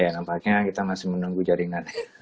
nampaknya kita masih menunggu jaringan